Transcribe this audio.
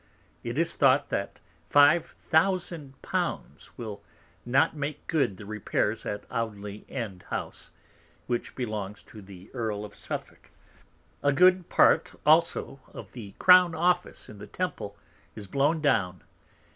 It is thought that five thousand Pounds will not make good the Repairs at Audley End House, which belongs to the Earl of Suffolk. A good Part also of the Crown Office in the Temple is blown down.